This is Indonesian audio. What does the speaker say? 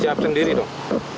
siap sendiri dong